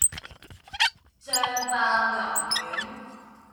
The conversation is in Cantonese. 爆醬牛丸